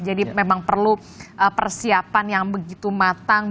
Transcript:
jadi memang perlu persiapan yang begitu matang